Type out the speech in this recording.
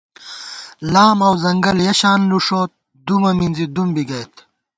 لام اؤ ځنگل یَہ شان لُوݭوت دُمہ مِنزی دُم بی گئیت